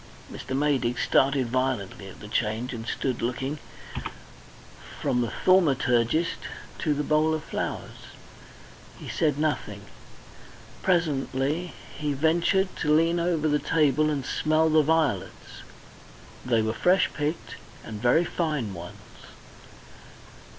Mr. Maydig started violently at the change, and stood looking from the thaumaturgist to the bowl of flowers. He said nothing. Presently he ventured to lean over the table and smell the violets; they were fresh picked and very fine ones.